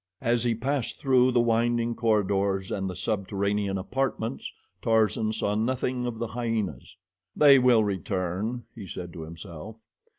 As he passed through the winding corridors and the subterranean apartments, Tarzan saw nothing of the hyenas. "They will return," he said to himself.